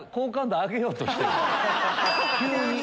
急に？